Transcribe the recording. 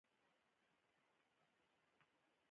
دا د یوې سیاسي نظریې په توګه ده.